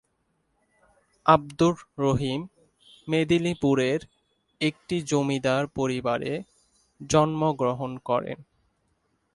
আবদুর রহিম মেদিনীপুরের একটি জমিদার পরিবারে জন্মগ্রহণ করেন।